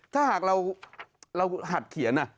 ถ้าหากเราหัดเขียน